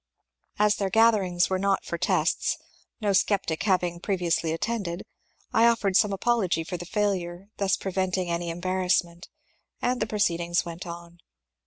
As their gatherings were not for tests, no sceptic having pre viously attended, I offered some apology for the failure, thus preventing any embarrassment, and the proceedings went on.